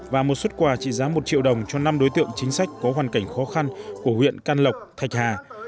và một xuất quà trị giá một triệu đồng cho năm đối tượng chính sách có hoàn cảnh khó khăn của huyện can lộc thạch hà